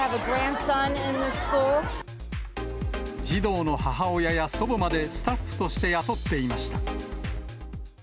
児童の母親や祖母まで、スタッフとして雇っていました。